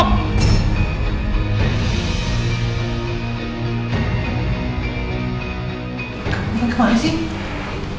kamu mau kemana sih